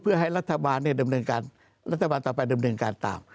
เพื่อให้รัฐบาลดำเนินการรัฐบาลต่อไปดำเนินการตาม